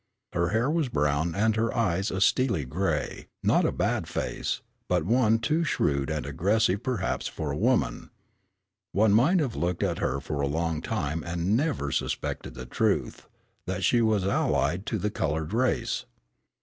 Her hair was brown and her eyes a steely grey not a bad face, but one too shrewd and aggressive perhaps for a woman. One might have looked at her for a long time and never suspected the truth, that she was allied to the colored race.